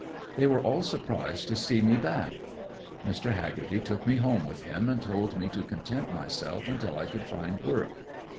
They were all surprised to see me back. Mr. Hagerty took me home with him and told me to content myself until I could find work.